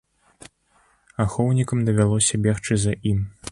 Ахоўнікам давялося бегчы за ім.